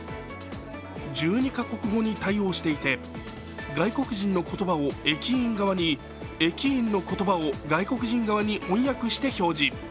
１２か国語に対応していて、外国人の言葉を駅員側に、駅員の言葉を外国人側に翻訳して表示。